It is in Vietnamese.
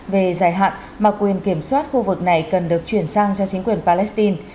về dài hạn mà quyền kiểm soát khu vực này cần được chuyển sang cho chính quyền palestine